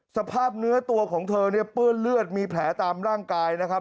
สภาพเนื้อตัวของเธอเนี่ยเปื้อนเลือดมีแผลตามร่างกายนะครับ